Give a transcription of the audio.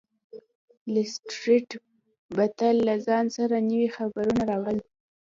لیسټرډ به تل له ځان سره نوي خبرونه راوړل.